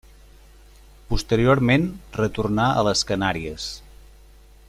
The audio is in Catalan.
Posteriorment retornà a les Canàries.